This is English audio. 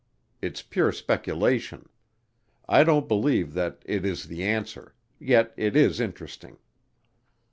It's pure speculation; I don't believe that it is the answer, yet it is interesting.